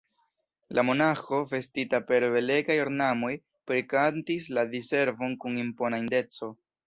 La monaĥo, vestita per belegaj ornamoj, prikantis la Diservon kun impona indeco.